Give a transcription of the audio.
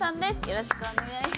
よろしくお願いします。